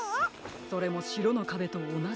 それもしろのかべとおなじいろ。